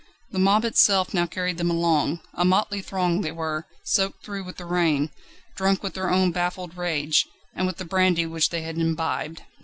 The mob itself now carried them along. A motley throng they were, soaked through with the rain, drunk with their own baffled rage, and with the brandy which they had imbibed.